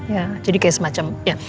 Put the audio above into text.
ya jadi kayak semacam